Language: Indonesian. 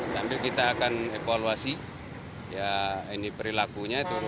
sambil kita akan evaluasi ya ini perilakunya itu